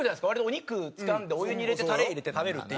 お肉つかんでお湯に入れてタレに入れて食べるっていう。